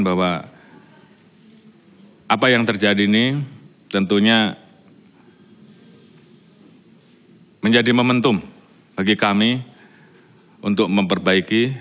bahwa apa yang terjadi ini tentunya menjadi momentum bagi kami untuk memperbaiki